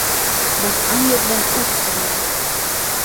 Баҫҡан ерҙән ут сығара.